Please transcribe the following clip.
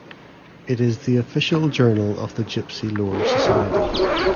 It is the official journal of the Gypsy Lore Society.